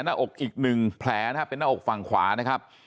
หน้าอกอีกหนึ่งแผลนะครับเป็นหน้าอกฝั่งขวานะครับ